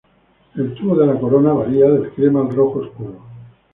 El tubo de la corona varía del crema al rojo oscuro.